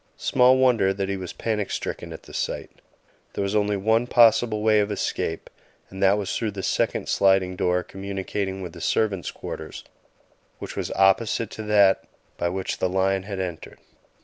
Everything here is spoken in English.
Small wonder that he was panic stricken at the sight. There was only one possible way of escape, and that was through the second sliding door communicating with the servants' quarters, which was opposite to that by which the lion had entered.